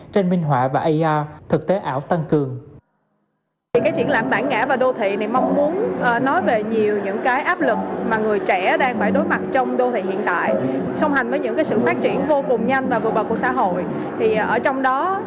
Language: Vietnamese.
trên minh họa và ar thực tế ảo tăng cường